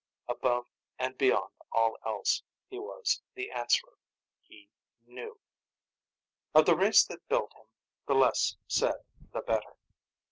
Above and beyond all else, he was The Answerer. He Knew. Of the race that built him, the less said the better.